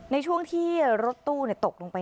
ในช่วงที่รถตู้ตกลงไป